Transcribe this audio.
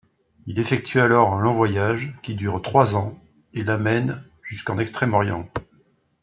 Il effectue alors un long voyage qui dure trois ans et l'amène jusqu'en Extrême-Orient.